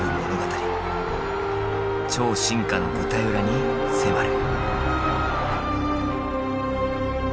超進化の舞台裏に迫る。